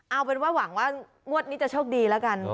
เอาเป็นว่าหวังว่างวดนี้จะโชคดีแล้วกัน